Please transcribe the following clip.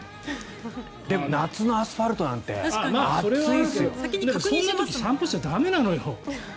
でも夏のアスファルトなんてそんな時に散歩しちゃ駄目なのよ。